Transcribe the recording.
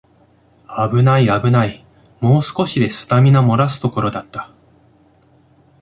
あぶないあぶない、もう少しでスタミナもらすところだった